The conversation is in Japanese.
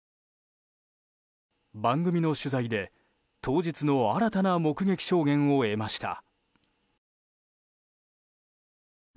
番組の取材で当日の新たな目撃証言を得ました。